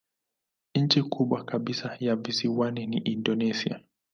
Nchi kubwa kabisa ya visiwani ni Indonesia.